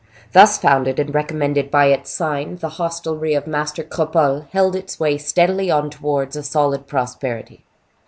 Thus founded and recommended by its sign, the hostelry of Master Cropole held its way steadily on towards a solid prosperity.